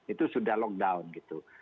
itu sudah lockdown gitu